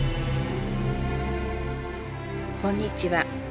こんにちは。